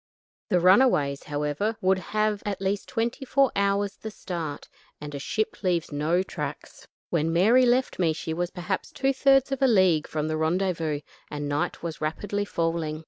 The runaways, however, would have at least twenty four hours the start, and a ship leaves no tracks. When Mary left me she was perhaps two thirds of a league from the rendezvous, and night was rapidly falling.